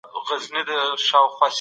دوه او دوه څلور افغانۍ کېږي.